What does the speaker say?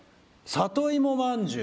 里いもまんじゅう？